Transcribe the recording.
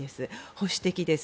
保守的です。